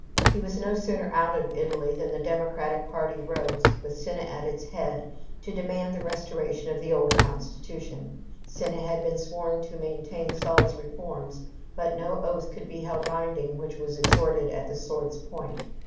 ] He was no sooner out of Italy than the democratic party rose, with Cinna at their head, to demand the restoration of the old constitution. Cinna had been sworn to maintain Sulla's reforms, but no oath could be held binding which was extorted at the sword's point.